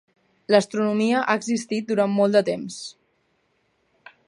L'astronomia ha existit durant molt de temps.